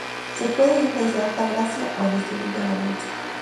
Se puede ir desde Alta Gracia o desde Villa La Bolsa.